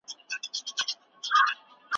ایا کورني سوداګر انځر پروسس کوي؟